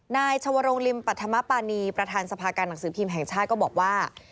นายชวรงลิมปัธมปานีประธานสภาการหนังสือพิมพ์แห่งชาติก็บอกว่า